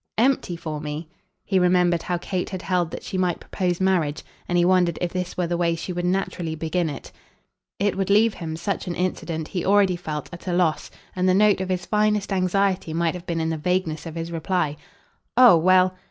"Empty for me?" He remembered how Kate had held that she might propose marriage, and he wondered if this were the way she would naturally begin it. It would leave him, such an incident, he already felt, at a loss, and the note of his finest anxiety might have been in the vagueness of his reply. "Oh well